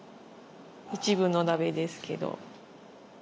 一部の鍋ですけど。